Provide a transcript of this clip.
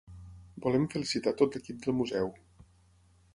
Volem felicitar a tot l'equip del museu.